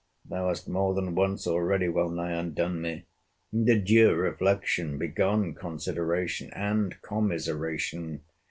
Thou hast more than once already well nigh undone me! And, adieu, reflection! Begone, consideration! and commiseration!